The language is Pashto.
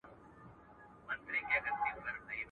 په دوبي چيري وې، چي په ژمي راغلې.